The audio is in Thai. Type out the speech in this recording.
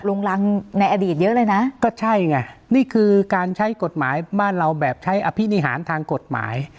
ลุงรังในอดีตเยอะเลยนะก็ใช่ไงนี่คือการใช้กฎหมายบ้านเราแบบใช้อภินิหารทางกฎหมาย